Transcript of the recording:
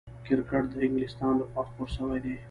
کرکټ د انګلستان له خوا خپور سوی دئ.